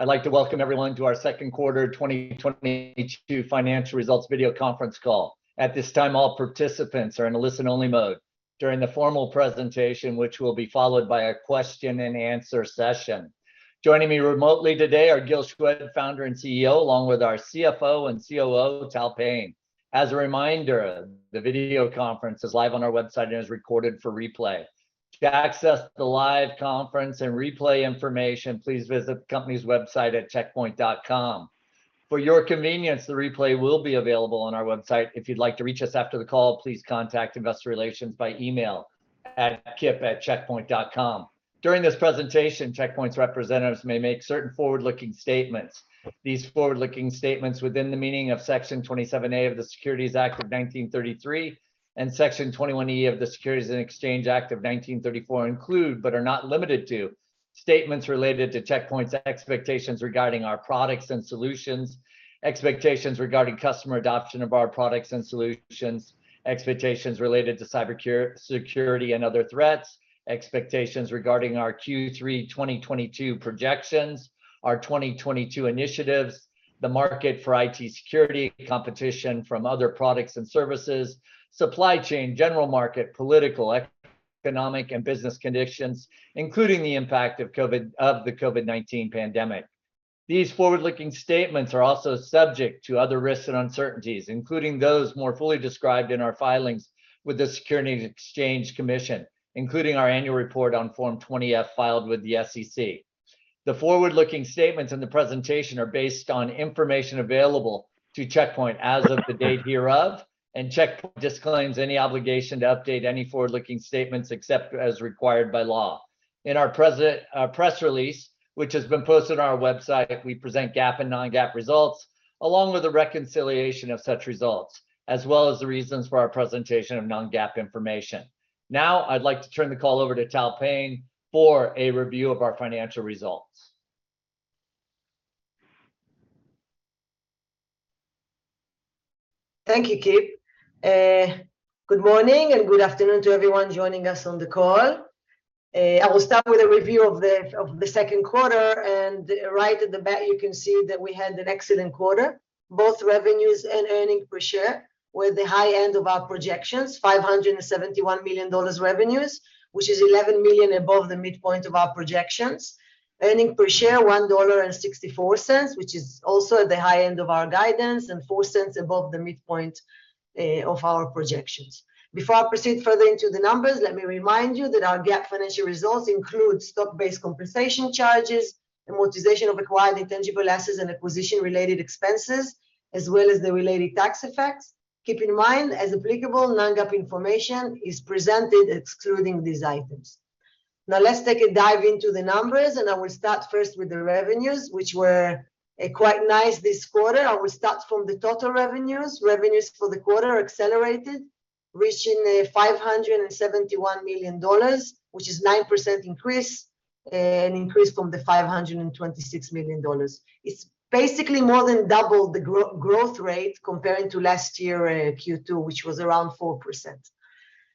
I'd like to welcome everyone to our second quarter 2022 financial results video conference call. At this time, all participants are in a listen-only mode during the formal presentation, which will be followed by a question-and-answer session. Joining me remotely today are Gil Shwed, Founder and CEO, along with our CFO and COO, Tal Payne. As a reminder, the video conference is live on our website and is recorded for replay. To access the live conference and replay information, please visit the company's website at checkpoint.com. For your convenience, the replay will be available on our website. If you'd like to reach us after the call, please contact Investor Relations by email at kip@checkpoint.com. During this presentation, Check Point's representatives may make certain forward-looking statements. These forward-looking statements within the meaning of Section 27A of the Securities Act of 1933 and Section 21E of the Securities Exchange Act of 1934 include, but are not limited to, statements related to Check Point's expectations regarding our products and solutions, expectations regarding customer adoption of our products and solutions, expectations related to cybersecurity and other threats, expectations regarding our Q3 2022 projections, our 2022 initiatives, the market for IT security, competition from other products and services, supply chain, general market, political, economic, and business conditions, including the impact of COVID-19 pandemic. These forward-looking statements are also subject to other risks and uncertainties, including those more fully described in our filings with the Securities and Exchange Commission, including our annual report on Form 20-F filed with the SEC. The forward-looking statements in the presentation are based on information available to Check Point as of the date hereof, and Check Point disclaims any obligation to update any forward-looking statements except as required by law. In our recent press release, which has been posted on our website, we present GAAP and non-GAAP results, along with a reconciliation of such results, as well as the reasons for our presentation of non-GAAP information. Now, I'd like to turn the call over to Tal Payne for a review of our financial results. Thank you, Kip. Good morning and good afternoon to everyone joining us on the call. I will start with a review of the second quarter, right off the bat you can see that we had an excellent quarter. Both revenues and earnings per share were at the high end of our projections, $571 million revenues, which is $11 million above the midpoint of our projections. Earnings per share, $1.64, which is also at the high end of our guidance, and $0.04 above the midpoint of our projections. Before I proceed further into the numbers, let me remind you that our GAAP financial results include stock-based compensation charges, amortization of acquired intangible assets and acquisition related expenses, as well as the related tax effects. Keep in mind, as applicable, non-GAAP information is presented excluding these items. Now, let's take a dive into the numbers, and I will start first with the revenues, which were quite nice this quarter. I will start from the total revenues. Revenues for the quarter accelerated, reaching $571 million, which is 9% increase, an increase from the $526 million. It's basically more than double the growth rate comparing to last year Q2, which was around 4%.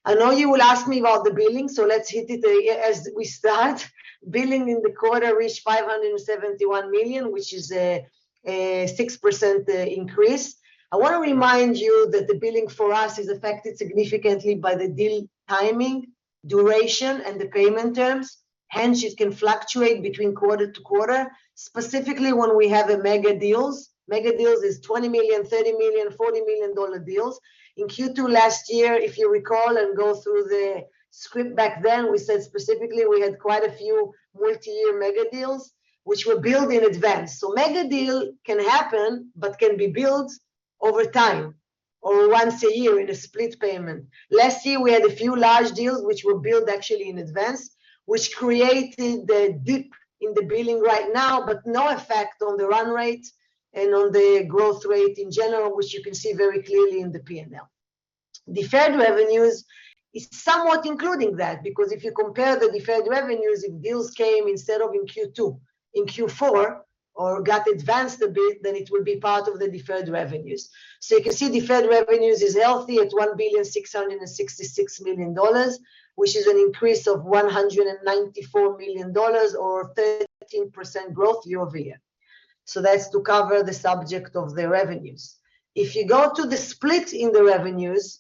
I know you will ask me about the billing, so let's hit it as we start. Billing in the quarter reached $571 million, which is a 6% increase. I want to remind you that the billing for us is affected significantly by the deal timing, duration, and the payment terms, hence it can fluctuate between quarter to quarter, specifically when we have a mega deals. Mega deals is $20 million, $30 million, $40 million deals. In Q2 last year, if you recall and go through the script back then, we said specifically we had quite a few multi-year mega deals which were billed in advance. Mega deal can happen, but can be billed over time, or once a year in a split payment. Last year, we had a few large deals which were billed actually in advance, which created the dip in the billing right now, but no effect on the run rate and on the growth rate in general, which you can see very clearly in the P&L. Deferred revenues is somewhat including that, because if you compare the deferred revenues, if deals came instead of in Q2, in Q4, or got advanced a bit, then it will be part of the deferred revenues. You can see deferred revenues is healthy at $1,666 million, which is an increase of $194 million or 13% growth year-over-year. That's to cover the subject of the revenues. If you go to the split in the revenues,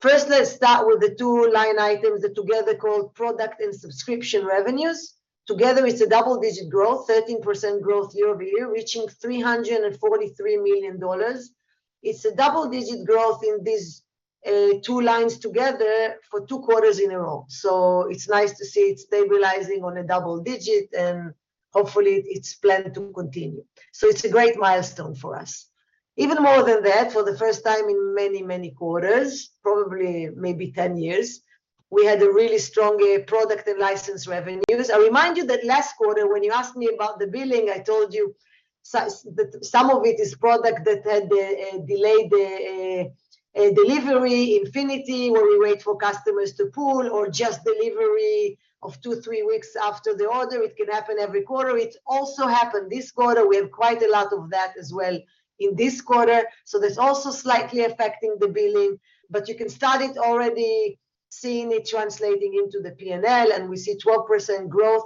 first let's start with the two line items that together are called product and subscription revenues. Together it's a double-digit growth, 13% growth year-over-year, reaching $343 million. It's a double-digit growth in these, two lines together for two quarters in a row. It's nice to see it stabilizing on a double-digit, and hopefully it's planned to continue. It's a great milestone for us. Even more than that, for the first time in many, many quarters, probably maybe 10 years, we had a really strong product and license revenues. I remind you that last quarter when you asked me about the billing, I told you that some of it is product that had a delayed delivery, Infinity, where we wait for customers to pull or just delivery of two to three weeks after the order. It can happen every quarter. It also happened this quarter. We have quite a lot of that as well in this quarter, so that's also slightly affecting the billing. You can start seeing it already translating into the P&L, and we see 12% growth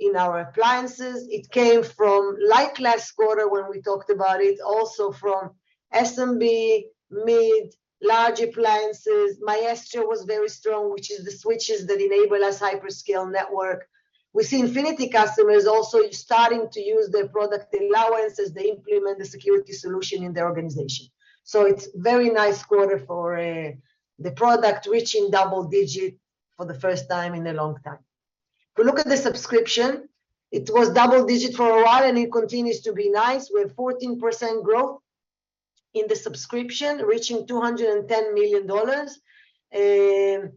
in our appliances. It came from, like last quarter when we talked about it, also from SMB, mid, large appliances. Maestro was very strong, which is the switches that enable our hyperscale network. We see Infinity customers also starting to use their product allowances. They implement the security solution in their organization. It's very nice quarter for the product reaching double digit for the first time in a long time. If you look at the subscription, it was double digit for a while, and it continues to be nice. We have 14% growth in the subscription, reaching $210 million. It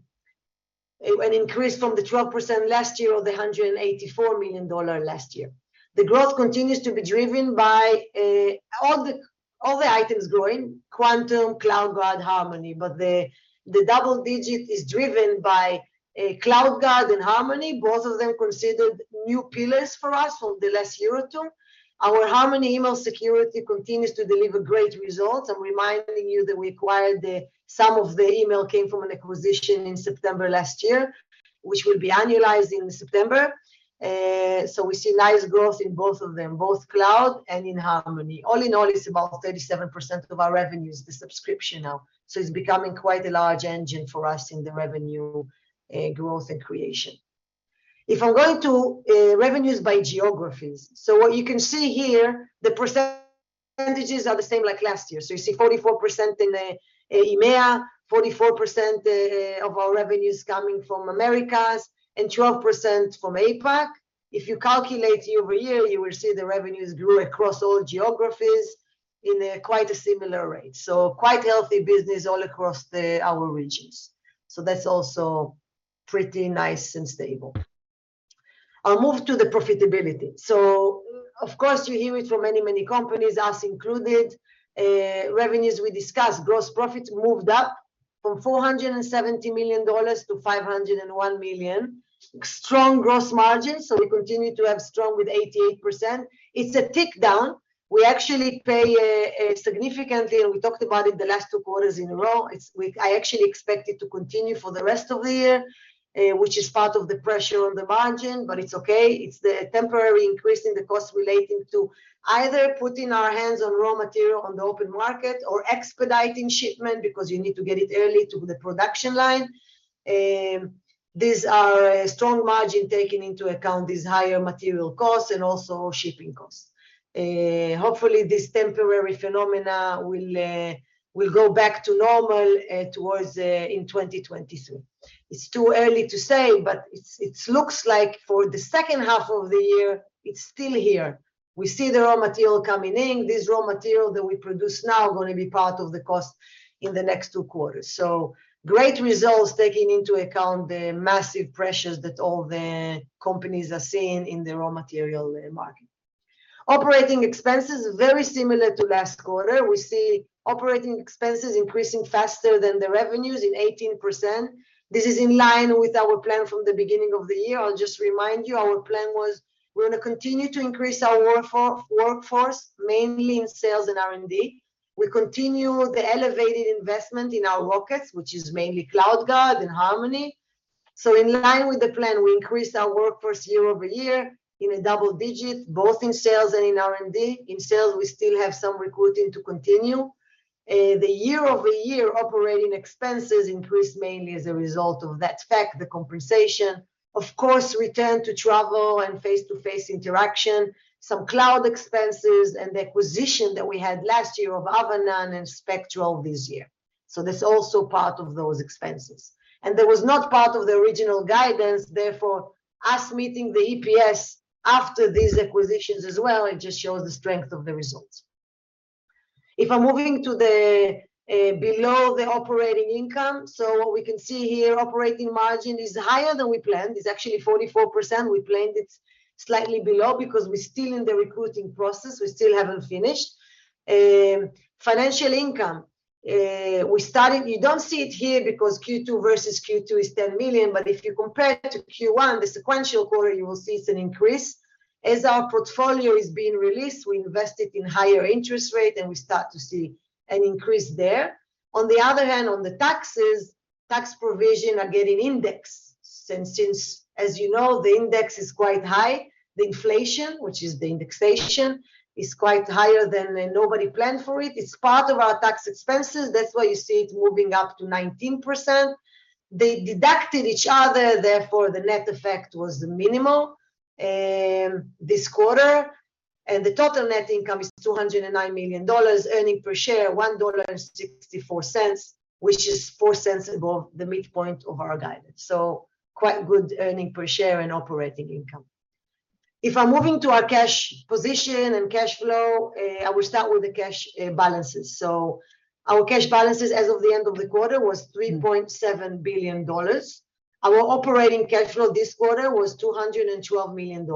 was an increase from the 12% last year of the $184 million last year. The growth continues to be driven by all the items growing, Quantum, CloudGuard, Harmony. The double digit is driven by CloudGuard and Harmony, both of them considered new pillars for us from the last year or two. Our Harmony email security continues to deliver great results. I'm reminding you that some of the email came from an acquisition in September last year, which will be annualized in September. We see nice growth in both of them, both Cloud and in Harmony. All in all, it's about 37% of our revenue is the subscription now, so it's becoming quite a large engine for us in the revenue, growth and creation. If I go to revenues by geographies, what you can see here, the percentages are the same like last year. You see 44% in EMEA, 44% of our revenues coming from Americas, and 12% from APAC. If you calculate year-over-year, you will see the revenues grew across all geographies in quite a similar rate. Quite healthy business all across our regions, so that's also pretty nice and stable. I'll move to the profitability. Of course, you hear it from many, many companies, us included, revenues we discussed. Gross profits moved up from $470 million-$501 million. Strong gross margins, so we continue to have strong with 88%. It's a tick down. We actually pay a significant fee, and we talked about it the last two quarters in a row. I actually expect it to continue for the rest of the year, which is part of the pressure on the margin, but it's okay. It's the temporary increase in the cost relating to either putting our hands on raw material on the open market or expediting shipment because you need to get it early to the production line. These are strong margin taking into account these higher material costs and also shipping costs. Hopefully this temporary phenomena will go back to normal towards in 2023. It's too early to say, but it looks like for the second half of the year, it's still here. We see the raw material coming in. This raw material that we produce now gonna be part of the cost in the next two quarters. Great results taking into account the massive pressures that all the companies are seeing in the raw material market. Operating expenses, very similar to last quarter. We see operating expenses increasing faster than the revenues in 18%. This is in line with our plan from the beginning of the year. I'll just remind you, our plan was we're gonna continue to increase our workforce mainly in sales and R&D. We continue the elevated investment in our rockets, which is mainly CloudGuard and Harmony. In line with the plan, we increased our workforce year-over-year in a double-digit, both in sales and in R&D. In sales, we still have some recruiting to continue. The year-over-year operating expenses increased mainly as a result of that fact, the compensation. Of course, return to travel and face-to-face interaction, some cloud expenses, and the acquisition that we had last year of Avanan and Spectral this year, so that's also part of those expenses. That was not part of the original guidance, therefore us meeting the EPS after these acquisitions as well, it just shows the strength of the results. If I'm moving to below the operating income, what we can see here, operating margin is higher than we planned. It's actually 44%. We planned it slightly below because we're still in the recruiting process. We still haven't finished. Financial income, you don't see it here because Q2 versus Q2 is $10 million, but if you compare it to Q1, the sequential quarter, you will see it's an increase. As our portfolio is being released, we invested in higher interest rate, and we start to see an increase there. On the other hand, on the taxes, tax provision are getting indexed. Since as you know, the index is quite high, the inflation, which is the indexation, is quite higher than nobody planned for it. It's part of our tax expenses, that's why you see it moving up to 19%. They deducted each other, therefore the net effect was minimal this quarter, and the total net income is $209 million, earning per share $1.64, which is $0.04 Above the midpoint of our guidance, so quite good earning per share and operating income. If I'm moving to our cash position and cash flow, I will start with the cash balances. Our cash balances as of the end of the quarter was $3.7 billion. Our operating cash flow this quarter was $212 million.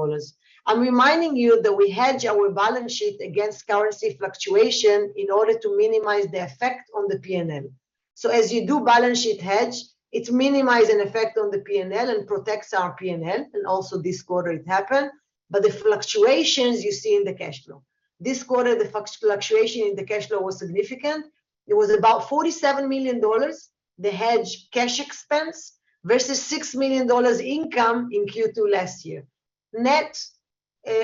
I'm reminding you that we hedge our balance sheet against currency fluctuation in order to minimize the effect on the P&L. So as you do balance sheet hedge, it minimize an effect on the P&L and protects our P&L, and also this quarter it happened. But the fluctuations you see in the cash flow. This quarter, the fluctuation in the cash flow was significant. It was about $47 million, the hedge cash expense, versus $6 million income in Q2 last year. Net,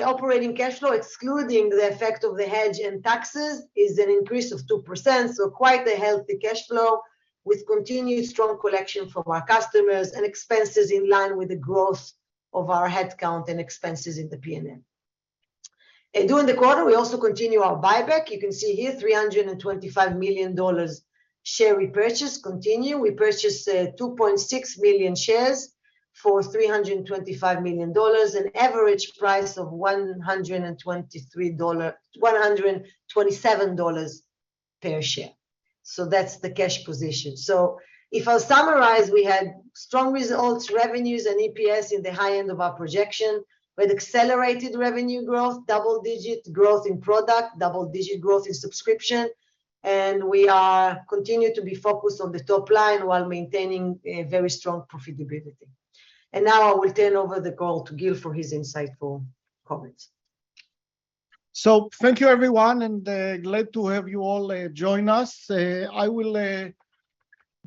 operating cash flow, excluding the effect of the hedge and taxes, is an increase of 2%, so quite a healthy cash flow with continued strong collection from our customers and expenses in line with the growth of our head count and expenses in the P&L. During the quarter, we also continue our buyback. You can see here $325 million share repurchase continue. We purchased 2.6 million shares for $325 million, an average price of $123-$127 per share. That's the cash position. If I summarize, we had strong results, revenues and EPS in the high end of our projection, with accelerated revenue growth, double-digit growth in product, double-digit growth in subscription, and we continue to be focused on the top line while maintaining a very strong profitability. Now I will turn over the call to Gil for his insightful comments. Thank you everyone, and glad to have you all join us. I will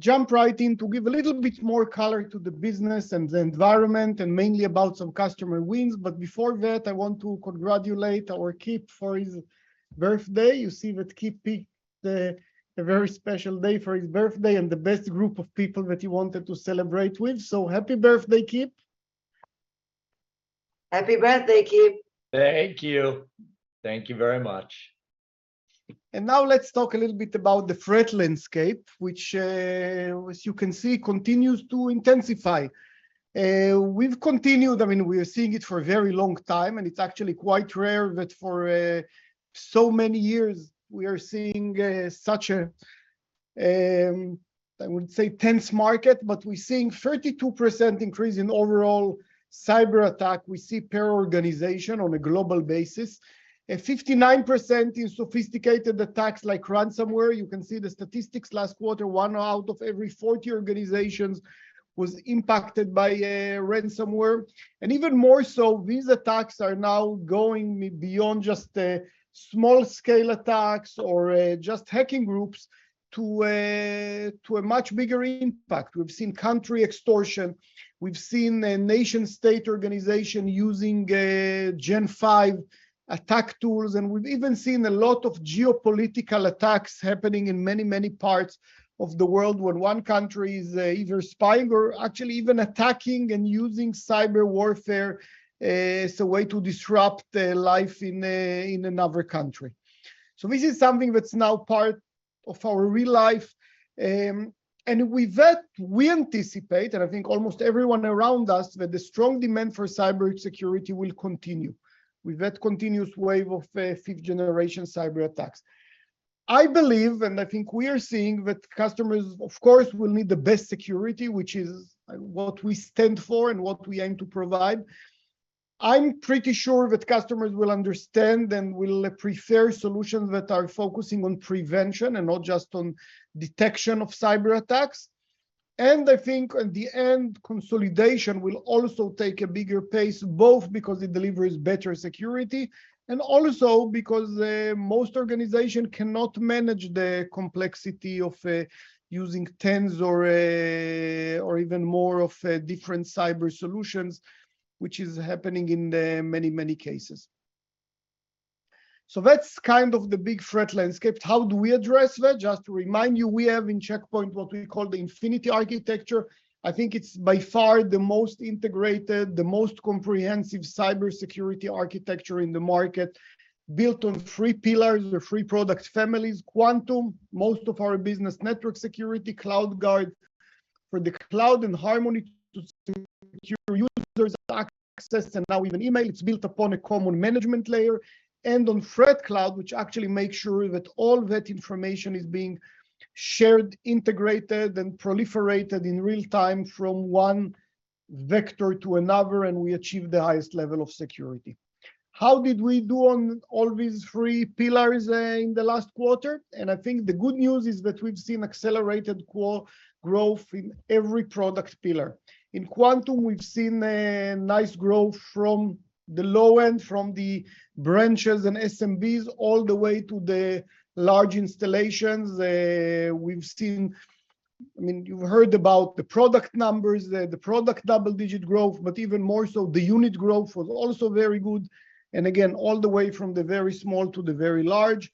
jump right in to give a little bit more color to the business and the environment, and mainly about some customer wins. Before that, I want to congratulate our Kip for his birthday. You see that Kip picked a very special day for his birthday and the best group of people that he wanted to celebrate with. Happy birthday, Kip. Happy birthday, Kip. Thank you. Thank you very much. Now let's talk a little bit about the threat landscape, which, as you can see, continues to intensify. I mean, we are seeing it for a very long time, and it's actually quite rare that for so many years we are seeing such a, I would s ay tense market, but we're seeing 32% increase in overall cyberattack we see per organization on a global basis. A 59% in sophisticated attacks like ransomware. You can see the statistics. Last quarter, one out of every 40 organizations was impacted by ransomware. Even more so, these attacks are now going beyond just small scale attacks or just hacking groups to a much bigger impact. We've seen country extortion, we've seen a nation state organization using Gen V attack tools, and we've even seen a lot of geopolitical attacks happening in many parts of the world when one country is either spying or actually even attacking and using cyber warfare as a way to disrupt life in another country. This is something that's now part of our real life. With that, we anticipate, and I think almost everyone around us, that the strong demand for cybersecurity will continue with that continuous wave of fifth generation cyberattacks. I believe, and I think we are seeing, that customers of course will need the best security, which is what we stand for and what we aim to provide. I'm pretty sure that customers will understand and will prefer solutions that are focusing on prevention and not just on detection of cyberattacks. I think at the end, consolidation will also take a bigger pace, both because it delivers better security, and also because most organizations cannot manage the complexity of using tens or even more of different cyber solutions, which is happening in many, many cases. That's kind of the big threat landscape. How do we address that? Just to remind you, we have in Check Point what we call the Infinity Architecture. I think it's by far the most integrated, the most comprehensive cybersecurity architecture in the market, built on three pillars or three product families, Quantum, most of our business network security, CloudGuard for the cloud, and Harmony to secure users' access, and now even email. It's built upon a common management layer and on ThreatCloud, which actually makes sure that all that information is being shared, integrated, and proliferated in real time from one vector to another, and we achieve the highest level of security. How did we do on all these three pillars in the last quarter? I think the good news is that we've seen accelerated growth in every product pillar. In Quantum, we've seen a nice growth from the low end, from the branches and SMBs, all the way to the large installations. We've seen I mean, you've heard about the product numbers, the product double-digit growth, but even more so the unit growth was also very good, and again, all the way from the very small to the very large.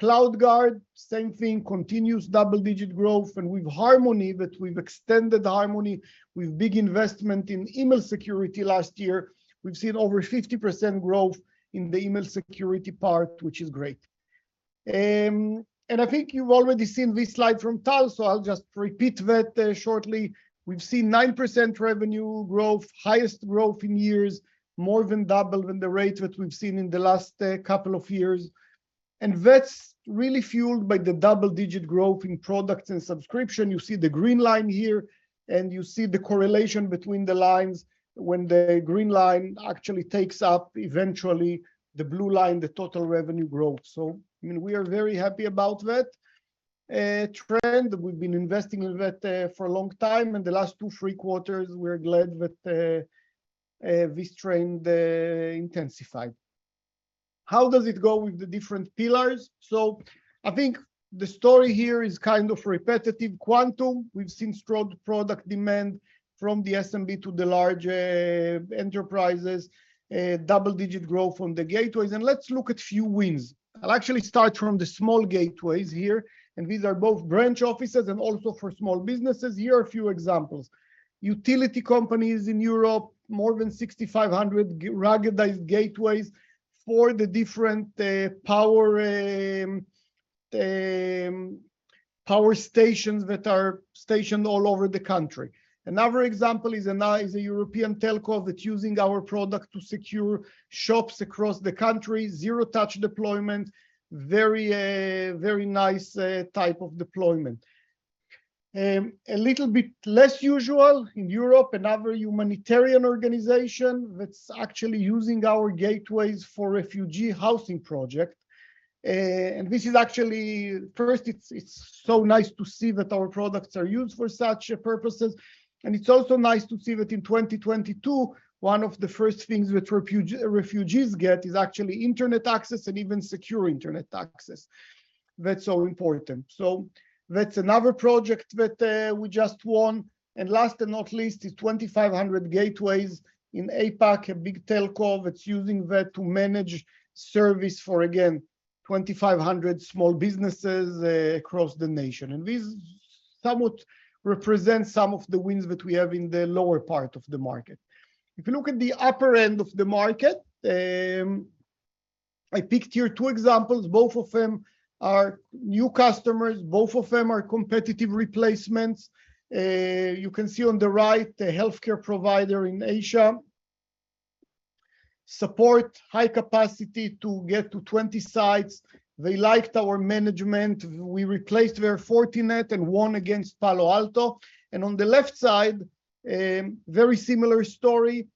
CloudGuard, same thing, continues double-digit growth. With Harmony that we've extended with big investment in email security last year. We've seen over 50% growth in the email security part, which is great. I think you've already seen this slide from Tal, so I'll just repeat that shortly. We've seen 9% revenue growth, highest growth in years, more than double than the rate that we've seen in the last couple of years, and that's really fueled by the double-digit growth in products and subscription. You see the green line here, and you see the correlation between the lines when the green line actually takes up eventually the blue line, the total revenue growth. I mean, we are very happy about that. A trend we've been investing in that for a long time. In the last two, three quarters, we're glad that this trend intensified. How does it go with the different pillars? I think the story here is kind of repetitive. Quantum, we've seen strong product demand from the SMB to the large enterprises. Double-digit growth on the gateways, and let's look at few wins. I'll actually start from the small gateways here, and these are both branch offices and also for small businesses. Here are a few examples. Utility companies in Europe, more than 6,500 ruggedized gateways for the different power stations that are stationed all over the country. Another example is a European telco that's using our product to secure shops across the country, zero touch deployment, very very nice type of deployment. A little bit less usual, in Europe, another humanitarian organization that's actually using our gateways for refugee housing project. This is actually. First, it's so nice to see that our products are used for such purposes, and it's also nice to see that in 2022, one of the first things that refugees get is actually internet access and even secure internet access. That's so important. That's another project that we just won. Last but not least is 2,500 gateways in APAC, a big telco that's using that to manage service for, again, 2,500 small businesses across the nation. This somewhat represents some of the wins that we have in the lower part of the market. If you look at the upper end of the market, I picked here two examples. Both of them are new customers. Both of them are competitive replacements. You can see on the right, a healthcare provider in Asia. Support high capacity to get to 20 sites. They liked our management. We replaced their Fortinet and won against Palo Alto. On the left side, a very similar story,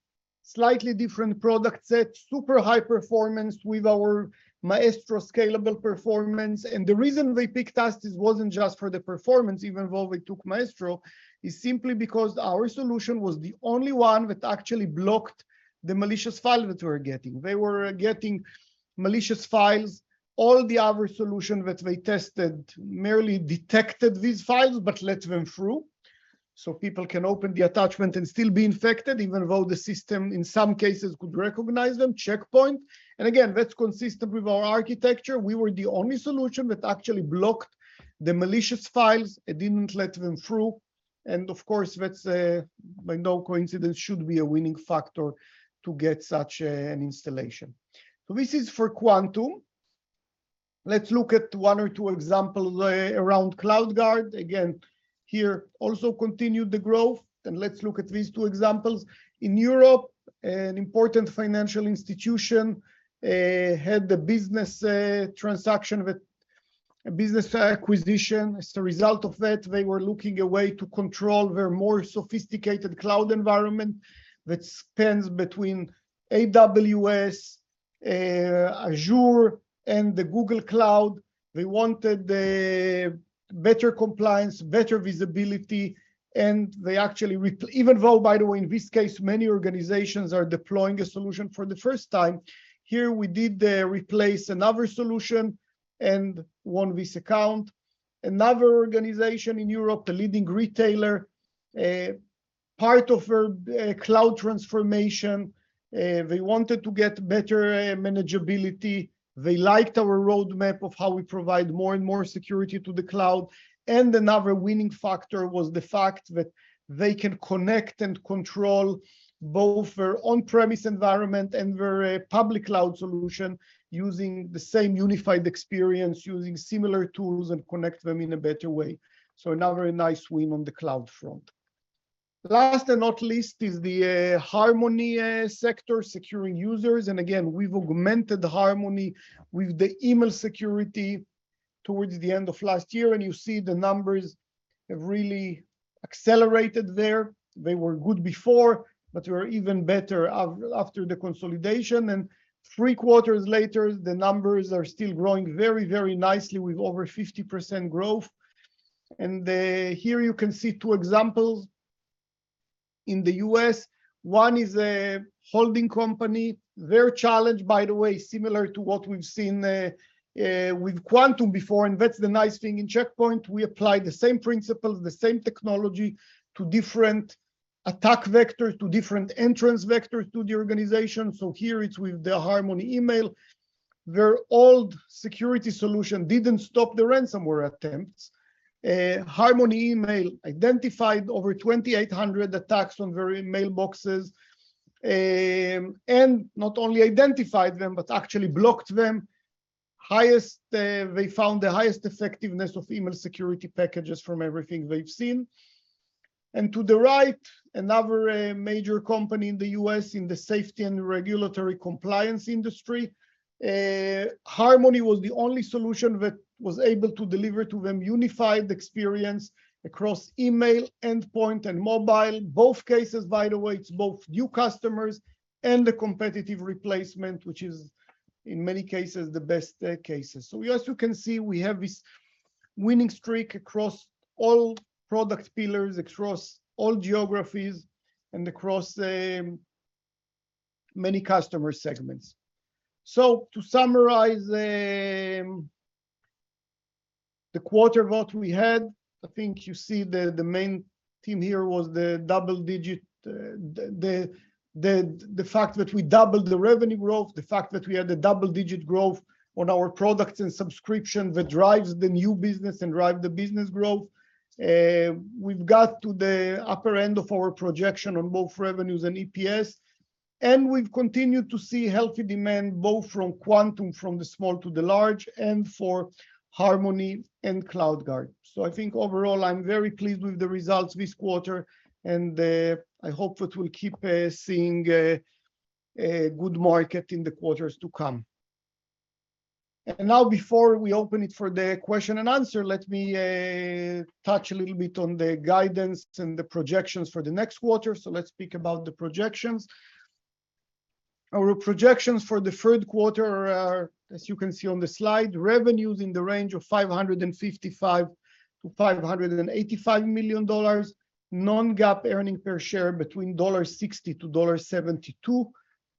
slightly different product set, super high performance with our Maestro scalable performance. The reason they picked us, this wasn't just for the performance, even though we took Maestro, is simply because our solution was the only one that actually blocked the malicious file that we're getting. They were getting malicious files. All the other solution that they tested merely detected these files, but let them through, so people can open the attachment and still be infected, even though the system, in some cases, could recognize them, Check Point. Again, that's consistent with our architecture. We were the only solution that actually blocked the malicious files and didn't let them through. Of course, that's by no coincidence should be a winning factor to get such an installation. This is for Quantum. Let's look at one or two examples around CloudGuard. Again, here also continued the growth, and let's look at these two examples. In Europe, an important financial institution had a business transaction with a business acquisition. As a result of that, they were looking for a way to control their more sophisticated cloud environment that spans between AWS, Azure, and the Google Cloud. They wanted a better compliance, better visibility, even though, by the way, in this case, many organizations are deploying a solution for the first time. Here we did replace another solution and won this account. Another organization in Europe, a leading retailer, part of a cloud transformation, they wanted to get better manageability. They liked our roadmap of how we provide more and more security to the cloud. Another winning factor was the fact that they can connect and control both their on-premise environment and their public cloud solution using the same unified experience, using similar tools and connect them in a better way. Another nice win on the cloud front. Last and not least is the Harmony sector, securing users. Again, we've augmented the Harmony with the email security towards the end of last year, and you see the numbers have really accelerated there. They were good before, but they were even better after the consolidation. Three quarters later, the numbers are still growing very, very nicely with over 50% growth. Here you can see two examples. In the U.S., one is a holding company. Their challenge, by the way, similar to what we've seen with Quantum before, and that's the nice thing in Check Point, we apply the same principles, the same technology to different attack vectors, to different entrance vectors to the organization. Here it's with the Harmony Email. Their old security solution didn't stop the ransomware attempts. Harmony Email identified over 2,800 attacks on their inboxes, and not only identified them, but actually blocked them. They found the highest effectiveness of email security packages from everything they've seen. To the right, another major company in the U.S. in the safety and regulatory compliance industry, Harmony was the only solution that was able to deliver to them unified experience across email, endpoint, and mobile. Both cases, by the way, it's both new customers and a competitive replacement, which is in many cases, the best cases. As you can see, we have this winning streak across all product pillars, across all geographies, and across many customer segments. To summarize the quarter, what we had, I think you see the main theme here was the double digit the fact that we doubled the revenue growth, the fact that we had a double digit growth on our products and subscription that drives the new business and drive the business growth. We've got to the upper end of our projection on both revenues and EPS, and we've continued to see healthy demand both from Quantum, from the small to the large, and for Harmony and CloudGuard. I think overall I'm very pleased with the results this quarter, and I hope that we'll keep seeing a good market in the quarters to come. Now before we open it for the question and answer, let me touch a little bit on the guidance and the projections for the next quarter. Let's speak about the projections. Our projections for the third quarter are, as you can see on the slide, revenues in the range of $555 million-$585 million. Non-GAAP earnings per share between $1.60-$1.72.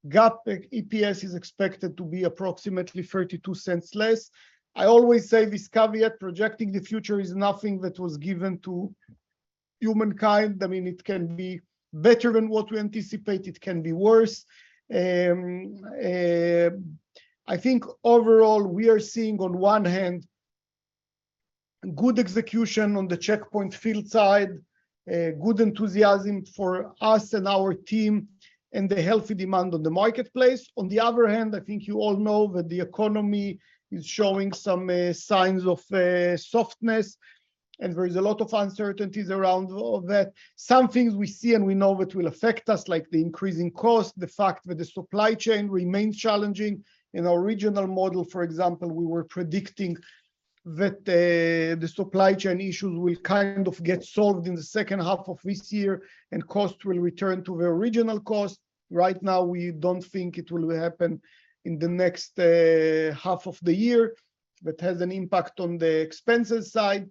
GAAP EPS is expected to be approximately $0.32 less. I always say this caveat, projecting the future is nothing that was given to humankind. I mean, it can be better than what we anticipate. It can be worse. I think overall we are seeing on one hand good execution on the Check Point field side, good enthusiasm for us and our team, and the healthy demand on the marketplace. On the other hand, I think you all know that the economy is showing some signs of softness, and there is a lot of uncertainties around all that. Some things we see and we know it will affect us, like the increasing cost, the fact that the supply chain remains challenging. In our regional model, for example, we were predicting that the supply chain issues will kind of get solved in the second half of this year, and costs will return to the original cost. Right now we don't think it will happen in the next half of the year. That has an impact on the expenses side.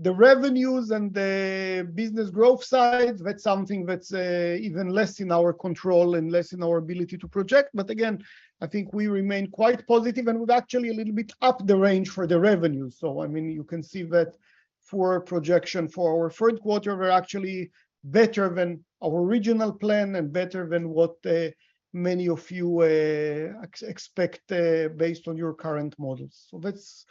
The revenues and the business growth side, that's something that's even less in our control and less in our ability to project. Again, I think we remain quite positive, and we'd actually a little bit up the range for the revenue. I mean, you can see that for projection for our third quarter, we're actually better than our original plan and better than what many of you expect based on your current models. Let's,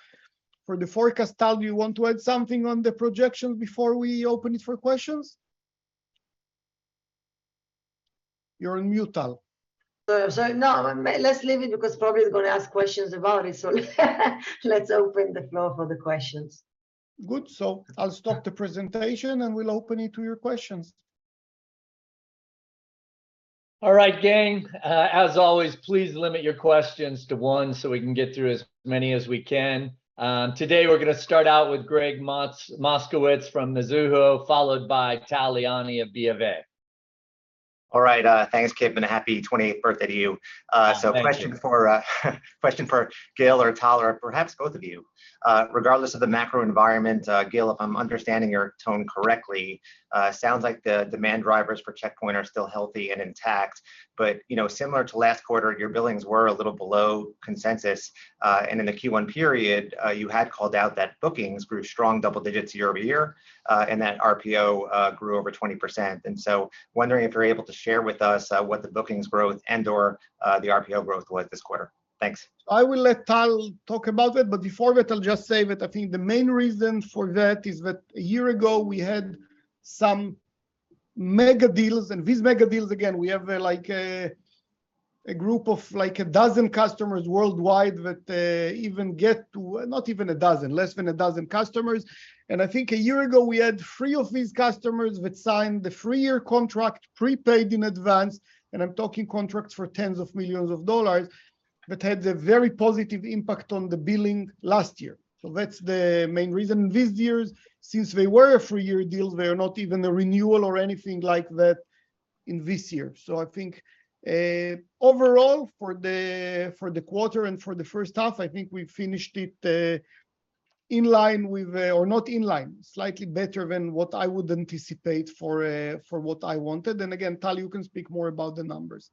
for the forecast, Tal, do you want to add something on the projection before we open it for questions? You're on mute, Tal. No, let's leave it because probably they're gonna ask questions about it, so let's open the floor for the questions. Good. I'll stop the presentation, and we'll open it to your questions. All right, gang. As always, please limit your questions to one so we can get through as many as we can. Today we're gonna start out with Gregg Moskowitz from Mizuho, followed by Tal Liani of BofA. All right. Thanks, Kip, and a happy twenty-eighth birthday to you. Thank you. Question for Gil or Tal, or perhaps both of you. Regardless of the macro environment, Gil, if I'm understanding your tone correctly, sounds like the demand drivers for Check Point are still healthy and intact. You know, similar to last quarter, your billings were a little below consensus. In the Q1 period, you had called out that bookings grew strong double digits year-over-year, and that RPO grew over 20%. Wondering if you're able to share with us, what the bookings growth and/or, the RPO growth was this quarter. Thanks. I will let Tal talk about it, but before that I'll just say that I think the main reason for that is that a year ago we had some mega deals, and these mega deals, again, we have, like, a group of, like, a dozen customers worldwide. Not even a dozen, less than a dozen customers. I think a year ago, we had three of these customers that signed the three-year contract prepaid in advance, and I'm talking contracts for tens of millions of dollars, that had a very positive impact on the billing last year. That's the main reason. This year, since they were a three-year deals, they are not even a renewal or anything like that in this year. I think overall for the quarter and for the first half, I think we finished it in line with or not in line, slightly better than what I would anticipate for what I wanted. Again, Tal, you can speak more about the numbers.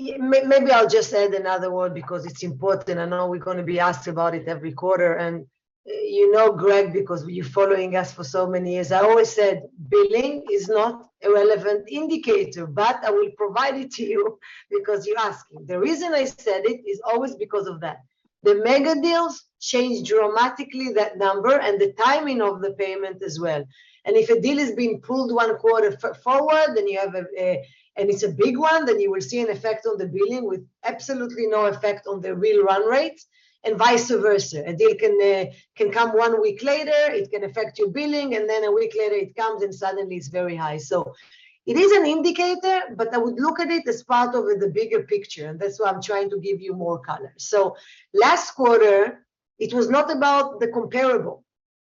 Yeah, maybe I'll just add another word because it's important. I know we're gonna be asked about it every quarter. You know, Greg, because you're following us for so many years, I always said billing is not a relevant indicator, but I will provide it to you because you're asking. The reason I said it is always because of that. The mega deals change dramatically that number and the timing of the payment as well. If a deal is being pulled one quarter forward, then you have, and it's a big one, then you will see an effect on the billing with absolutely no effect on the real run rate and vice versa. A deal can come one week later, it can affect your billing, and then a week later it comes and suddenly it's very high. It is an indicator, but I would look at it as part of the bigger picture, and that's why I'm trying to give you more color. Last quarter it was not about the comparable.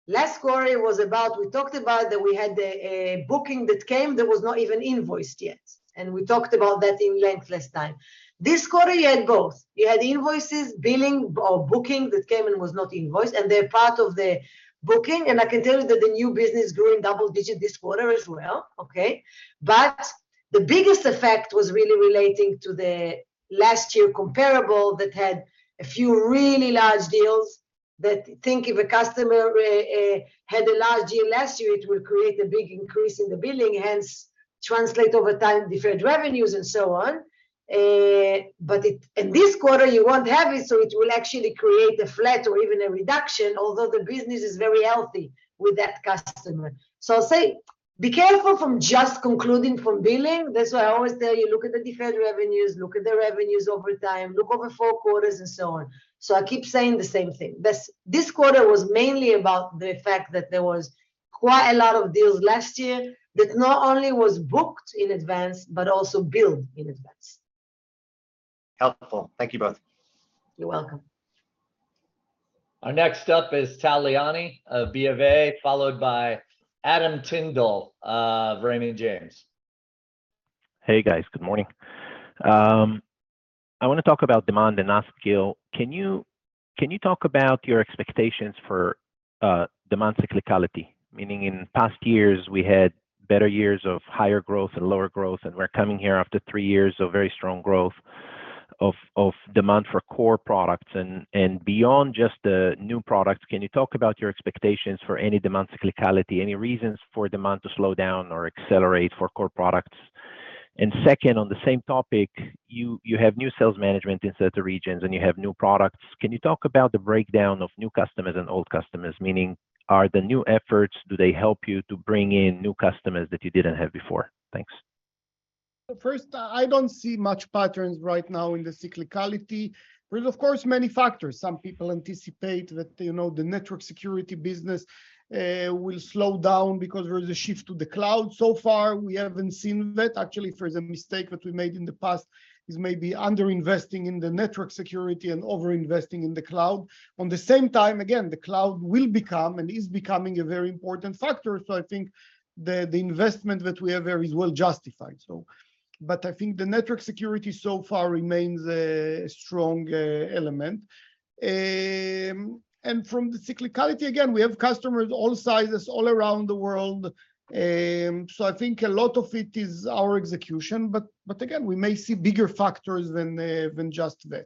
Last quarter was about, we talked about that we had a booking that came that was not even invoiced yet, and we talked about that at length last time. This quarter, you had both. You had invoices, billing or booking that came and was not invoiced, and they're part of the booking, and I can tell you that the new business grew in double digit this quarter as well, okay? The biggest effect was really relating to the last year comparable that had a few really large deals that, I think, if a customer had a large deal last year, it will create a big increase in the billing, hence translate over time, deferred revenues and so on. In this quarter you won't have it, so it will actually create a flat or even a reduction, although the business is very healthy with that customer. I'll say, be careful of just concluding from billing. That's why I always tell you, look at the deferred revenues, look at the revenues over time, look over four quarters and so on. I keep saying the same thing. This quarter was mainly about the fact that there was quite a lot of deals last year that not only was booked in advance, but also billed in advance. Helpful. Thank you both. You're welcome. Our next up is Tal Liani of BofA, followed by Adam Tindle of Raymond James. Hey, guys. Good morning. I wanna talk about demand and ask Gil, can you talk about your expectations for demand cyclicality? Meaning in past years, we had better years of higher growth and lower growth, and we're coming here after three years of very strong growth of demand for core products and beyond just the new products, can you talk about your expectations for any demand cyclicality, any reasons for demand to slow down or accelerate for core products? Second, on the same topic, you have new sales management in certain regions and you have new products. Can you talk about the breakdown of new customers and old customers, meaning are the new efforts do they help you to bring in new customers that you didn't have before? Thanks. First, I don't see many patterns right now in the cyclicality. There's of course many factors. Some people anticipate that, you know, the network security business will slow down because there is a shift to the cloud. So far, we haven't seen that. Actually, there's a mistake that we made in the past is maybe under-investing in the network security and over-investing in the cloud. At the same time, again, the cloud will become and is becoming a very important factor, so I think the investment that we have there is well justified. I think the network security so far remains a strong element. From the cyclicality, again, we have customers all sizes all around the world, so I think a lot of it is our execution, but again, we may see bigger factors than just that.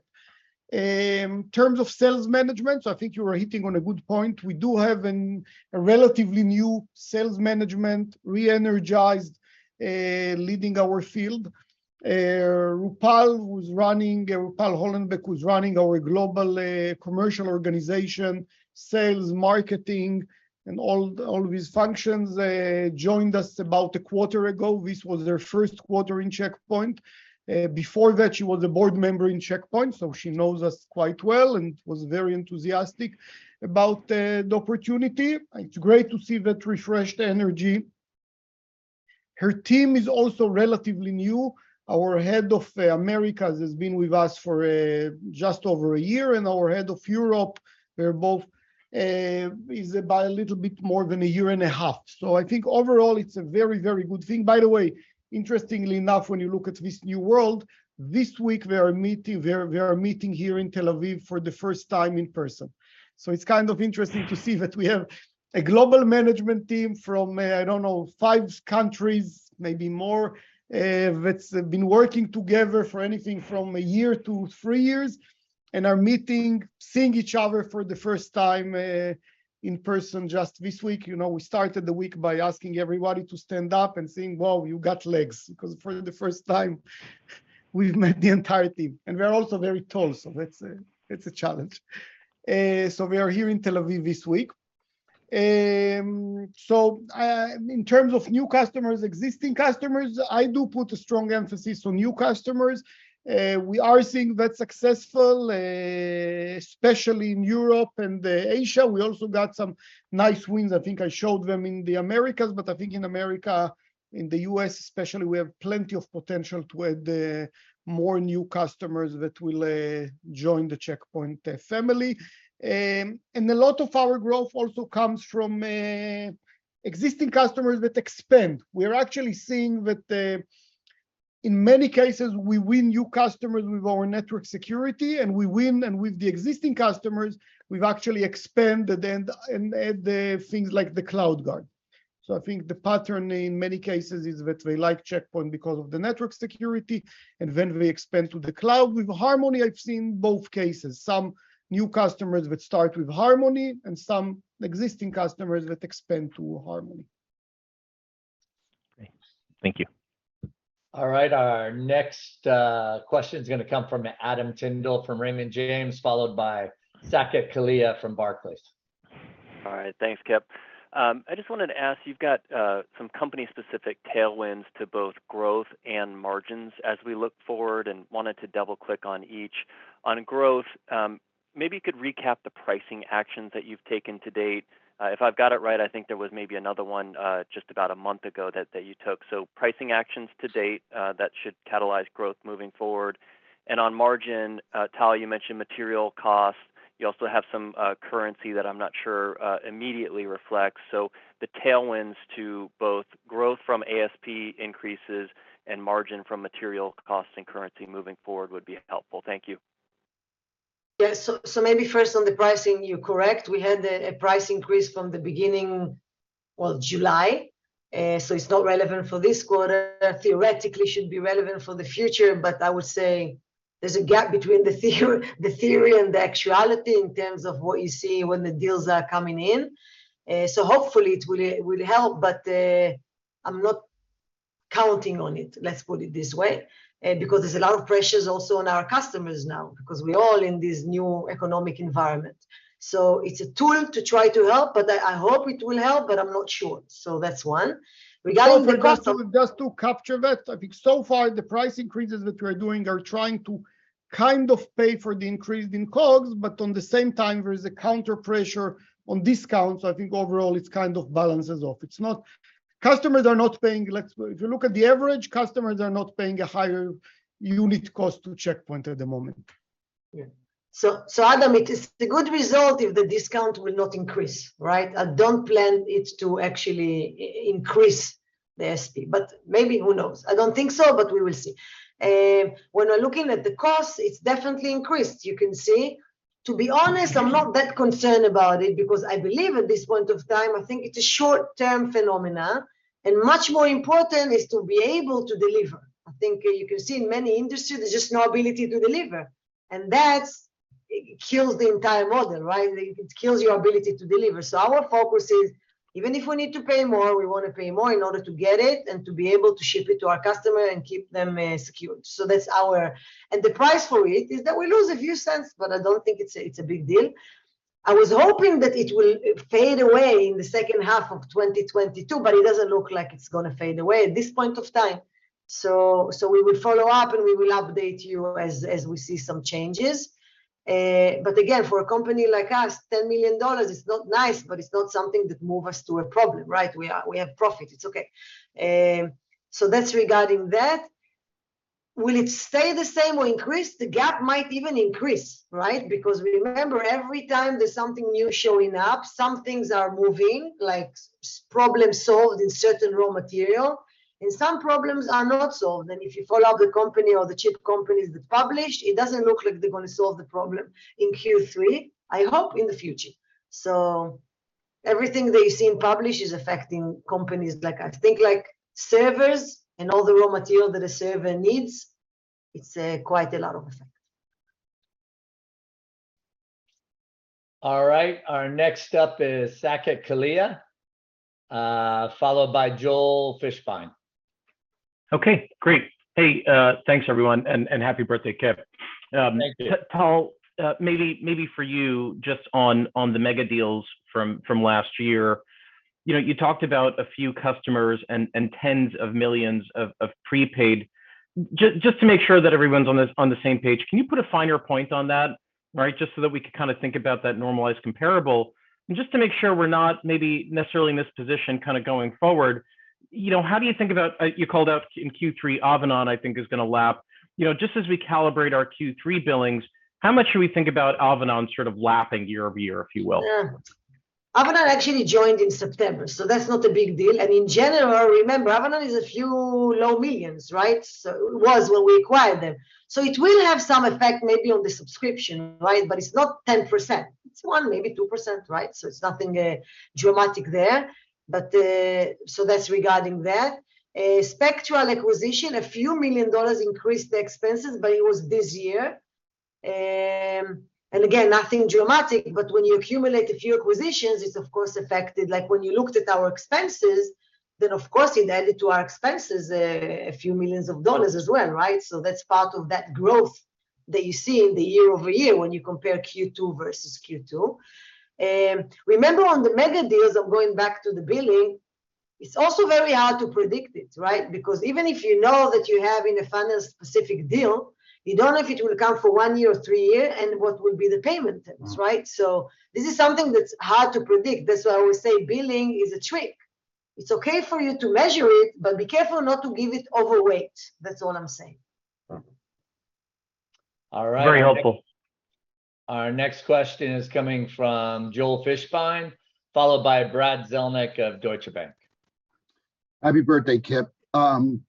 In terms of sales management, I think you are hitting on a good point. We do have a relatively new sales management re-energized leading our field. Rupal Hollenbeck, who's running our global commercial organization, sales, marketing, and all these functions, joined us about a quarter ago. This was her first quarter in Check Point. Before that, she was a board member in Check Point, so she knows us quite well and was very enthusiastic about the opportunity. It's great to see that refreshed energy. Her team is also relatively new. Our head of Americas has been with us for just over a year, and our head of Europe has been with us for a little bit more than a year and a half. I think overall it's a very, very good thing. By the way, interestingly enough, when you look at this new world, this week we are meeting here in Tel Aviv for the first time in person. It's kind of interesting to see that we have a global management team from, I don't know, five countries, maybe more, that's been working together for anything from a year to three years and are meeting, seeing each other for the first time in person just this week. You know, we started the week by asking everybody to stand up and saying, "Wow, you got legs," because for the first time we've met the entire team. We're also very tall, so it's a challenge. We are here in Tel Aviv this week. In terms of new customers, existing customers, I do put a strong emphasis on new customers. We are seeing that success, especially in Europe and Asia. We also got some nice wins, I think I showed them, in the Americas, but I think in America, in the U.S. especially, we have plenty of potential to add more new customers that will join the Check Point family. A lot of our growth also comes from existing customers that expand. We're actually seeing that, in many cases, we win new customers with our network security, and with the existing customers, we've actually expanded and add the things like the CloudGuard. I think the pattern in many cases is that they like Check Point because of the network security, and then we expand to the cloud. With Harmony, I've seen both cases, some new customers that start with Harmony and some existing customers that expand to Harmony. Thanks. Thank you. All right. Our next question's gonna come from Adam Tindle from Raymond James, followed by Saket Kalia from Barclays. All right. Thanks, Kip. I just wanted to ask, you've got some company-specific tailwinds to both growth and margins as we look forward, and wanted to double-click on each. On growth, maybe you could recap the pricing actions that you've taken to date. If I've got it right, I think there was maybe another one just about a month ago that you took. Pricing actions to date that should catalyze growth moving forward. On margin, Tal, you mentioned material costs. You also have some currency that I'm not sure immediately reflects. The tailwinds to both growth from ASP increases and margin from material costs and currency moving forward would be helpful. Thank you. Yeah. Maybe first on the pricing, you're correct. We had a price increase from the beginning, well, July. It's not relevant for this quarter. Theoretically should be relevant for the future, but I would say there's a gap between the theory and the actuality in terms of what you see when the deals are coming in. Hopefully it will help, but I'm not counting on it, let's put it this way. Because there's a lot of pressures also on our customers now, because we're all in this new economic environment. It's a tool to try to help, but I hope it will help, but I'm not sure. That's one. Regarding the cost of- Just to capture that, I think so far the price increases that we're doing are trying to kind of pay for the increase in COGS, but at the same time there is a counter-pressure on discounts. I think overall it kind of balances out. It's not. Customers are not paying less. If you look at the average, customers are not paying a higher unit cost to Check Point at the moment. Yeah. Adam, it is a good result if the discount will not increase, right? I don't plan it to actually increase the ASP. Maybe, who knows? I don't think so, but we will see. When we're looking at the cost, it's definitely increased, you can see. To be honest, I'm not that concerned about it, because I believe at this point of time, I think it's a short-term phenomenon, and much more important is to be able to deliver. I think you can see in many industries there's just no ability to deliver, and that's it kills the entire model, right? It kills your ability to deliver. Our focus is even if we need to pay more, we want to pay more in order to get it and to be able to ship it to our customer and keep them secured. That's our. The price for it is that we lose a few cents, but I don't think it's a big deal. I was hoping that it will fade away in the second half of 2022, but it doesn't look like it's gonna fade away at this point of time. We will follow up and we will update you as we see some changes. But again, for a company like us, $10 million is not nice, but it's not something that move us to a problem, right? We are, we have profit, it's okay. That's regarding that. Will it stay the same or increase? The gap might even increase, right? Because remember, every time there's something new showing up, some things are moving, like supply problem solved in certain raw material, and some problems are not solved. If you follow the company or the chip companies that publish, it doesn't look like they're gonna solve the problem in Q3. I hope in the future. Everything that you see in public is affecting companies like us. I think like servers and all the raw material that a server needs, it's quite a lot of effect. All right. Our next up is Saket Kalia, followed by Joel Fishbein. Okay. Great. Hey, thanks everyone, and happy birthday, Kip. Thank you. Tal, maybe for you just on the mega deals from last year. You know, you talked about a few customers and tens of millions of prepaid. Just to make sure that everyone's on the same page, can you put a finer point on that? Right, just so that we can kinda think about that normalized comparable. Just to make sure we're not maybe necessarily in this position kinda going forward, you know, how do you think about you called out in Q3 Avanan I think is gonna lap. You know, just as we calibrate our Q3 billings, how much should we think about Avanan sort of lapping year-over-year, if you will? Sure. Avanan actually joined in September, so that's not a big deal. In general, remember, Avanan is a few low millions, right? It was when we acquired them. It will have some effect maybe on the subscription, right? It's not 10%. It's 1%, maybe 2%, right? It's nothing, dramatic there. That's regarding that. Spectral acquisition, a few million dollars increased expenses, but it was this year. Again, nothing dramatic, but when you accumulate a few acquisitions, it's of course affected. Like when you looked at our expenses, of course it added to our expenses, a few millions of dollars as well, right? That's part of that growth that you see in the year-over-year when you compare Q2 versus Q2. Remember on the mega deals, I'm going back to the billing, it's also very hard to predict it, right? Because even if you know that you have in a final specific deal, you don't know if it will account for one year or three year and what will be the payment terms, right? So this is something that's hard to predict. That's why I always say billing is a trick. It's okay for you to measure it, but be careful not to give it overweight. That's all I'm saying. Mm-hmm. All right. Very helpful. Our next question is coming from Joel Fishbein, followed by Brad Zelnick of Deutsche Bank. Happy birthday, Kip. Thank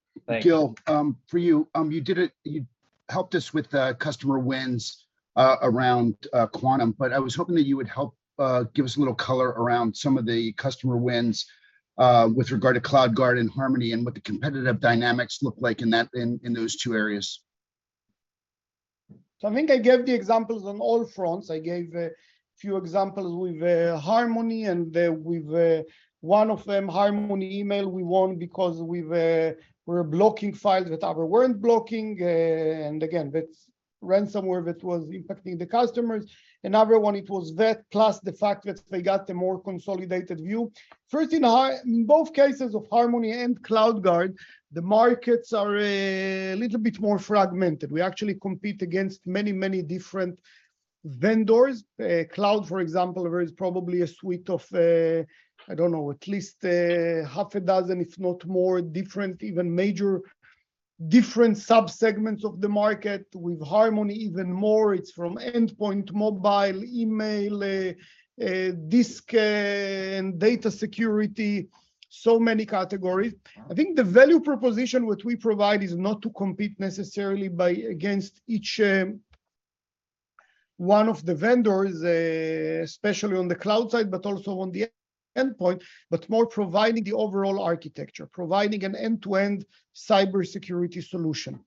you. Gil, for you. You helped us with the customer wins around Quantum, but I was hoping that you would help give us a little color around some of the customer wins with regard to CloudGuard and Harmony and what the competitive dynamics look like in those two areas. I think I gave the examples on all fronts. I gave a few examples with Harmony and with one of them, Harmony email we won because we were blocking files that others weren't blocking. And again, that's ransomware that was impacting the customers. Another one, it was that plus the fact that they got a more consolidated view. In both cases of Harmony and CloudGuard, the markets are a little bit more fragmented. We actually compete against many different vendors, cloud, for example, there is probably a suite of, I don't know, at least half a dozen if not more different, even major sub-segments of the market. With Harmony, even more, it's from endpoint, mobile, email, disk, and data security. Many categories.. I think the value proposition which we provide is not to compete necessarily against each one of the vendors, especially on the cloud side, but also on the endpoint, but more providing the overall architecture, providing an end-to-end cybersecurity solution.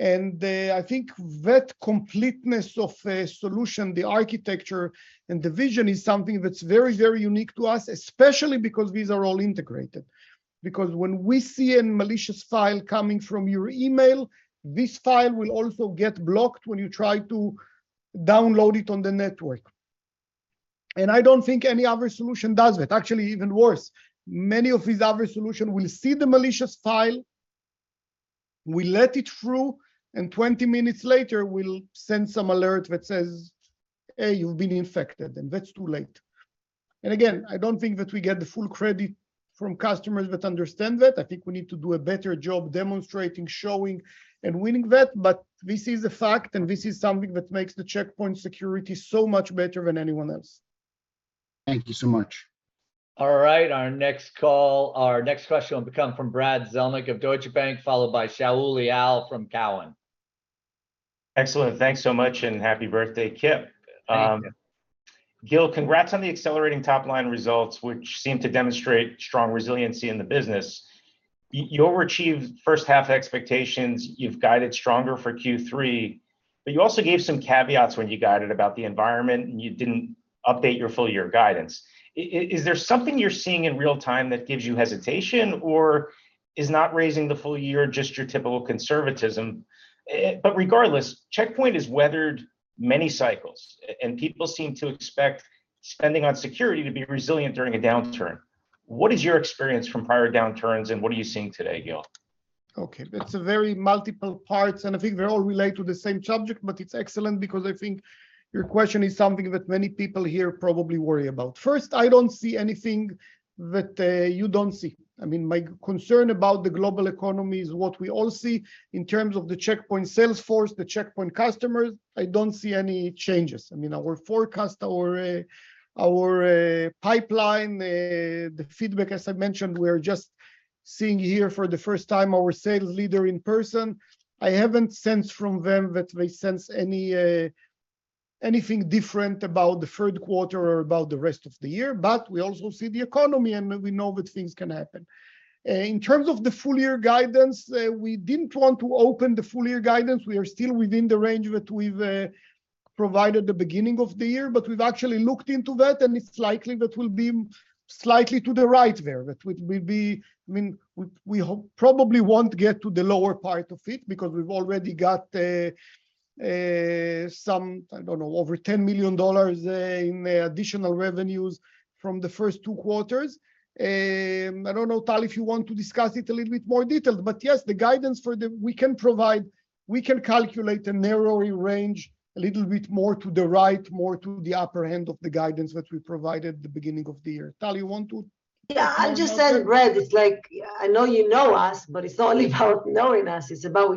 I think that completeness of the solution, the architecture and the vision is something that's very, very unique to us, especially because these are all integrated. Because when we see a malicious file coming from your email, this file will also get blocked when you try to download it on the network. I don't think any other solution does that. Actually, even worse, many of these other solutions will see the malicious file, will let it through, and 20 minutes later will send some alert that says, "Hey, you've been infected," and that's too late. Again, I don't think that we get the full credit from customers that understand that. I think we need to do a better job demonstrating, showing and winning that. This is a fact, and this is something that makes the Check Point security so much better than anyone else. Thank you so much. All right, our next call, our next question will come from Brad Zelnick of Deutsche Bank, followed by Shaul Eyal from TD Cowen. Excellent. Thanks so much, and happy birthday, Kip. Thank you. Gil, congrats on the accelerating top line results, which seem to demonstrate strong resiliency in the business. You overachieved first half expectations, you've guided stronger for Q3, but you also gave some caveats when you guided about the environment, and you didn't update your full-year guidance. Is there something you're seeing in real time that gives you hesitation, or is not raising the full-year just your typical conservatism? But regardless, Check Point has weathered many cycles and people seem to expect spending on security to be resilient during a downturn. What is your experience from prior downturns, and what are you seeing today, Gil? Okay, that's a very multiple parts, and I think they all relate to the same subject, but it's excellent because I think your question is something that many people here probably worry about. First, I don't see anything that you don't see. I mean, my concern about the global economy is what we all see. In terms of the Check Point sales force, the Check Point customers, I don't see any changes. I mean, our forecast, our pipeline, the feedback, as I mentioned, we are just seeing here for the first time our sales leader in person. I haven't sensed from them that they sense anything different about the third quarter or about the rest of the year, but we also see the economy, and we know that things can happen. In terms of the full-year guidance, we didn't want to open the full-year guidance. We are still within the range that we've provided at the beginning of the year. We've actually looked into that, and it's likely that we'll be slightly to the right there. I mean, we probably won't get to the lower part of it, because we've already got some, I don't know, over $10 million in additional revenues from the first two quarters. I don't know, Tal, if you want to discuss it a little bit more detailed, but yes, the guidance for the year. We can calculate a narrower range, a little bit more to the right, more to the upper end of the guidance that we provided at the beginning of the year. Tal, you want to- Yeah... add another- I'll just say, Brad, it's like, I know you know us, but it's not only about knowing us. It's about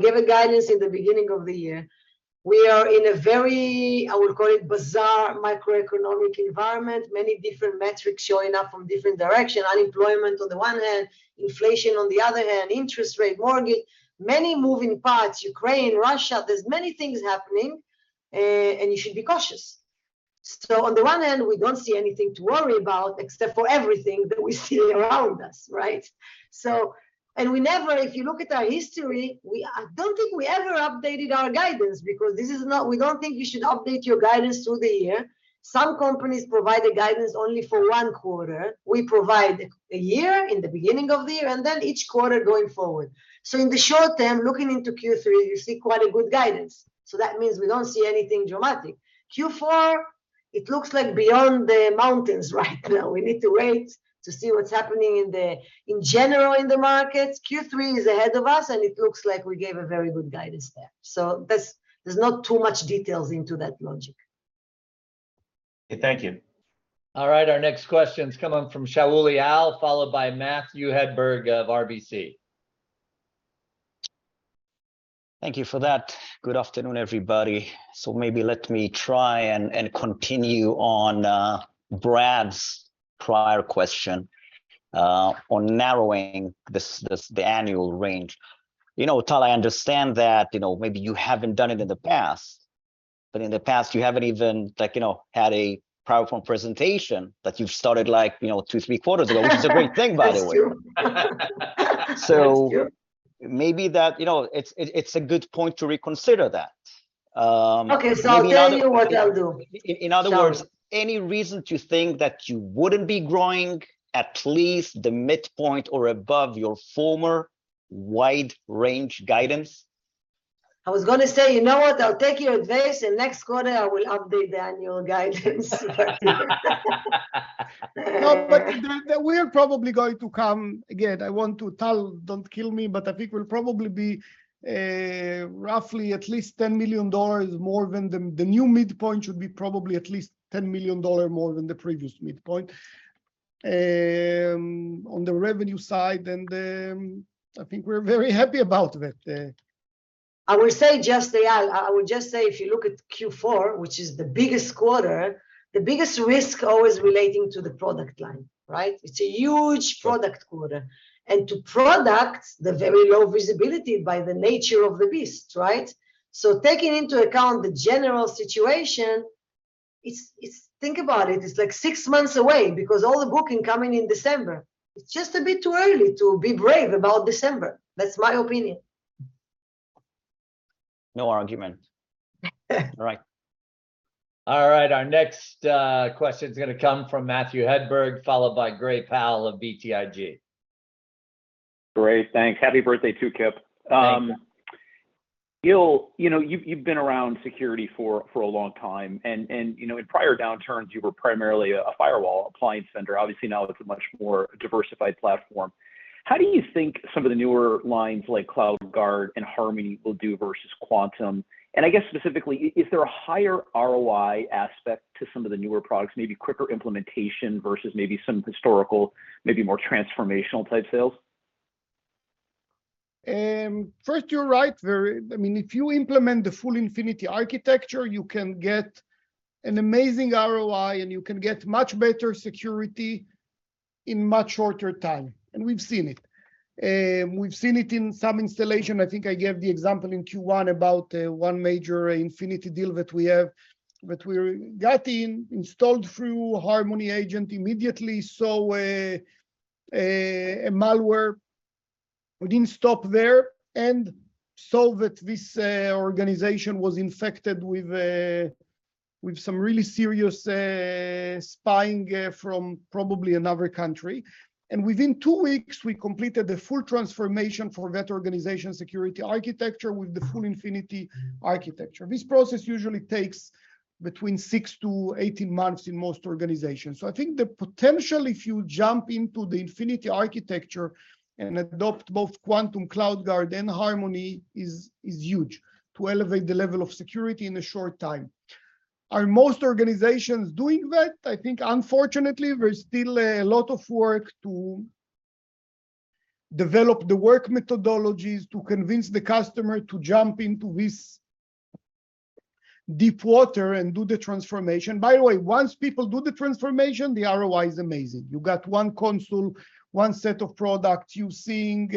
we gave a guidance in the beginning of the year. We are in a very, I would call it, bizarre macroeconomic environment, many different metrics showing up from different direction. Unemployment on the one hand, inflation on the other hand, interest rate, mortgage. Many moving parts. Ukraine, Russia, there's many things happening, and you should be cautious. On the one hand, we don't see anything to worry about except for everything that we see around us, right? We never, if you look at our history, we, I don't think we ever updated our guidance, because this is not, we don't think you should update your guidance through the year. Some companies provide a guidance only for one quarter. We provide a year in the beginning of the year, and then each quarter going forward. In the short term, looking into Q3, you see quite a good guidance. That means we don't see anything dramatic. Q4, it looks like beyond the mountains right now. We need to wait to see what's happening in general in the markets. Q3 is ahead of us, and it looks like we gave a very good guidance there. That's, there's not too much details into that logic. Okay. Thank you. All right, our next question's coming from Shaul Eyal, followed by Matthew Hedberg of RBC. Thank you for that. Good afternoon, everybody. Maybe let me try and continue on Brad's prior question on narrowing this, the annual range. You know, Tal, I understand that, you know, maybe you haven't done it in the past, but in the past you haven't even like, you know, had a powerful presentation that you've started, like, you know, two, three quarters ago, which is a great thing, by the way. That's true. So- That's true. maybe that, you know, it's a good point to reconsider that. Maybe in other- Okay, I'll tell you what I'll do. In other words. Shaul Any reason to think that you wouldn't be growing at least the midpoint or above your former wide range guidance? I was gonna say, you know what? I'll take your advice, and next quarter I will update the annual guidance. No, Tal, don't kill me, but I think we'll probably be roughly at least $10 million more than the new midpoint should be probably at least $10 million more than the previous midpoint. On the revenue side and I think we're very happy about that. Shaul Eyal, I will just say if you look at Q4, which is the biggest quarter, the biggest risk always relating to the product line, right? It's a huge product quarter. To product, the very low visibility by the nature of the beast, right? Taking into account the general situation, it's like six months away because all the booking coming in December. It's just a bit too early to be brave about December. That's my opinion. No argument. All right. All right, our next, question's gonna come from Matthew Hedberg followed by Gray Powell of BTIG. Great. Thanks. Happy birthday too, Kip. Thanks. Gil, you know, you've been around security for a long time, and you know, in prior downturns you were primarily a firewall appliance vendor. Obviously now it's a much more diversified platform. How do you think some of the newer lines like CloudGuard and Harmony will do versus Quantum? I guess specifically, is there a higher ROI aspect to some of the newer products, maybe quicker implementation versus maybe some historical, maybe more transformational type sales? First, you're right, I mean, if you implement the full Infinity Architecture, you can get an amazing ROI and you can get much better security in much shorter time, and we've seen it. We've seen it in some installation. I think I gave the example in Q1 about one major Infinity deal that we have, that we got in, installed through Harmony agent immediately, saw a malware. We didn't stop there, and saw that this organization was infected with some really serious spying from probably another country. Within two weeks we completed the full transformation for that organization security architecture with the full Infinity Architecture. This process usually takes between six to 18 months in most organizations. I think the potential if you jump into the Infinity Architecture and adopt both Quantum, CloudGuard and Harmony is huge to elevate the level of security in a short time. Are most organizations doing that? I think unfortunately there's still a lot of work to develop the work methodologies, to convince the customer to jump into this deep water and do the transformation. By the way, once people do the transformation, the ROI is amazing. You got one console, one set of product. You're seeing,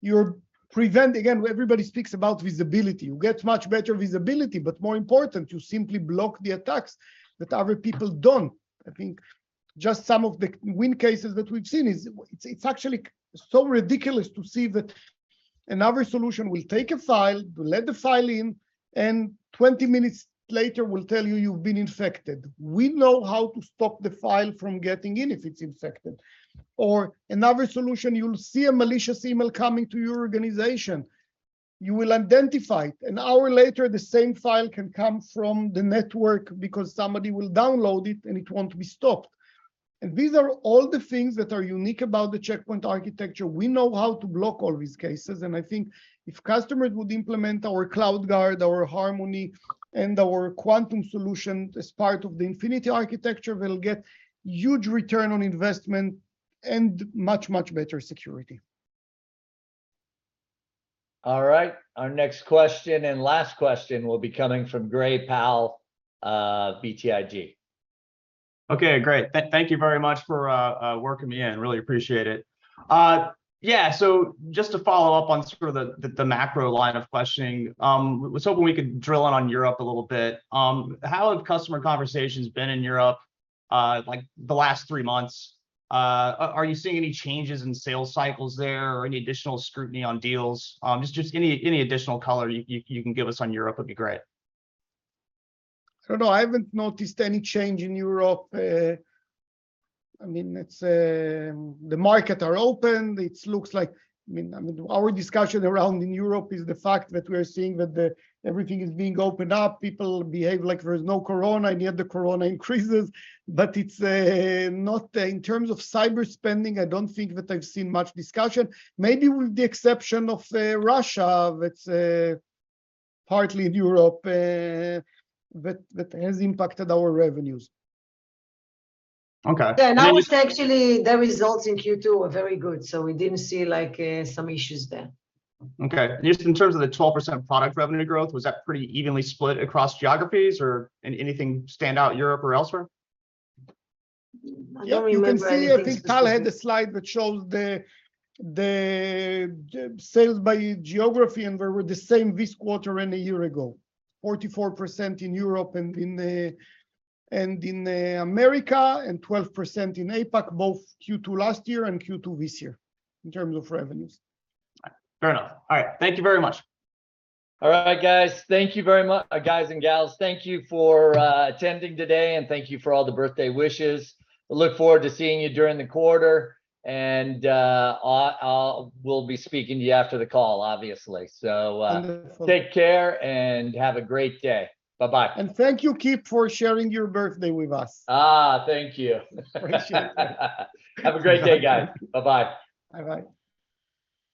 you're preventing. Again, everybody speaks about visibility. You get much better visibility, but more important, you simply block the attacks that other people don't. I think just some of the win cases that we've seen is, it's actually so ridiculous to see that another solution will take a file, will let the file in, and 20 minutes later will tell you you've been infected. We know how to stop the file from getting in if it's infected. Or another solution, you'll see a malicious email coming to your organization. You will identify it. An hour later, the same file can come from the network because somebody will download it and it won't be stopped. These are all the things that are unique about the Check Point Architecture. We know how to block all these cases, and I think if customers would implement our CloudGuard, our Harmony and our Quantum solution as part of the Infinity Architecture, we'll get huge return on investment and much, much better security. All right. Our next question and last question will be coming from Gray Powell, BTIG. Okay. Great. Thank you very much for working me in, really appreciate it. Yeah, just to follow up on sort of the macro line of questioning, was hoping we could drill in on Europe a little bit. How have customer conversations been in Europe, like the last three months? Are you seeing any changes in sales cycles there or any additional scrutiny on deals? Just any additional color you can give us on Europe would be great. I don't know. I haven't noticed any change in Europe. I mean, it's the markets are open. It looks like I mean, our discussion around in Europe is the fact that we're seeing that everything is being opened up, people behave like there's no Corona, and yet the Corona increases. It's not in terms of cyber spending, I don't think that I've seen much discussion, maybe with the exception of Russia that's partly in Europe, that has impacted our revenues. Okay. Yeah. I would say actually the results in Q2 were very good, so we didn't see like some issues there. Okay. Just in terms of the 12% product revenue growth, was that pretty evenly split across geographies or anything stand out Europe or elsewhere? I don't remember anything specific. Yeah. You can see, I think Tal had the slide that shows the sales by geography, and they were the same this quarter and a year ago. 44% in Europe and in America, and 12% in APAC, both Q2 last year and Q2 this year in terms of revenues. All right. Fair enough. All right. Thank you very much. All right, guys. Thank you, guys and gals, thank you for attending today, and thank you for all the birthday wishes. I look forward to seeing you during the quarter, and I will be speaking to you after the call obviously. Wonderful Take care and have a great day. Bye-bye. Thank you, Kip, for sharing your birthday with us. Thank you. Appreciate it. Have a great day, guys. Bye-bye. Bye-bye.